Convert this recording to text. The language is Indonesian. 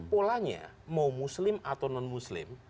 polanya mau muslim atau non muslim